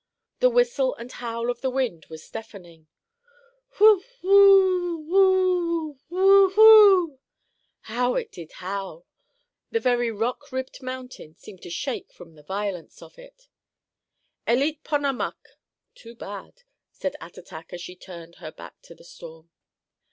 The whistle and howl of the wind was deafening. "Whew—whoo—whoo—whe w—w o—," how it did howl! The very rock ribbed mountain seemed to shake from the violence of it. "Eleet pon a muck," (too bad), said Attatak as she turned her back to the storm.